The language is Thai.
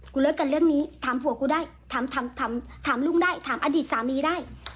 เลิกกันเรื่องนี้ถามผัวกูได้ถามลุงได้ถามอดีตสามีได้